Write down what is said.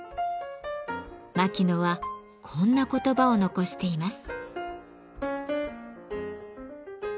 牧野はこんな言葉を残しています。